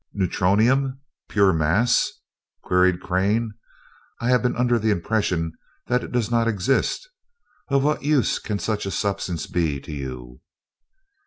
"Neutronium? Pure mass?" queried Crane, "I have been under the impression that it does not exist. Of what use can such a substance be to you?"